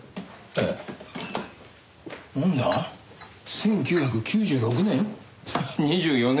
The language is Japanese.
１９９６年？